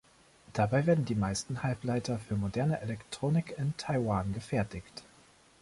Dabei werden die meisten Halbleiter für moderne Elektronik in Taiwan gefertigt.